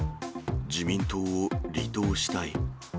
自民党を離党したい。